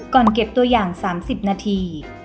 เก็บตัวอย่าง๓๐นาที